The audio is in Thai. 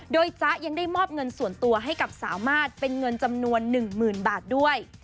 โดยจ๊ะยังได้มอบเงินส่วนตัวให้กับสามารถเป็นเงินจำนวน๑๐๐๐บาทด้วย